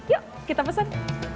yuk kita pesan